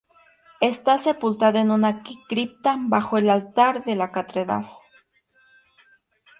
Está sepultado en un cripta bajo el altar de la catedral St.